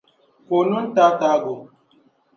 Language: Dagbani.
Ka o no n-taataagi o.